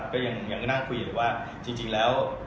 ก็ยังนั่งคุยอยู่ว่าจริงแล้ว